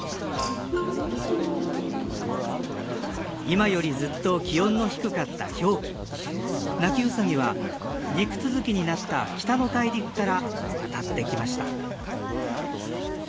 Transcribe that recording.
今よりずっと気温の低かった氷期ナキウサギは陸続きになった北の大陸から渡ってきました。